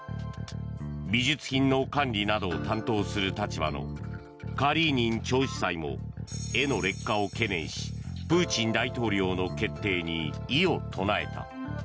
美術品の管理などを担当する立場のカリーニン長司祭も絵の劣化を懸念しプーチン大統領の決定に異を唱えた。